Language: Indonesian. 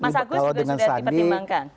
mas agus sudah dipertimbangkan